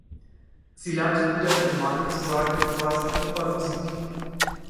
Sie lernt wieder ihre Meinung zu sagen und sei es auch nur bei Musik.